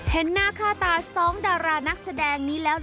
เห็นหน้าค่าตา๒ดารานักแสดงนี้แล้ว